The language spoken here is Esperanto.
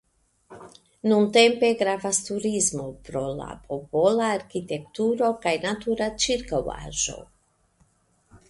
Nuntempe gravas turismo pro la popola arkitekturo kaj natura ĉirkaŭaĵo.